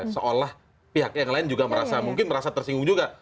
seolah pihak yang lain juga merasa mungkin merasa tersinggung juga